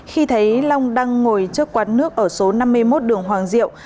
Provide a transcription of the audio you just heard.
khi thấy long đang ngồi trước quán nước ở số năm mươi một đường hoàng diệu